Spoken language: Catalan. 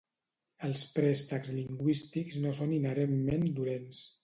Els préstecs lingüístics no són inherentment dolents.